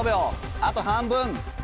あと半分！